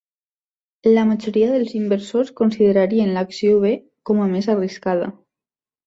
La majoria dels inversors considerarien l'acció B com a més arriscada.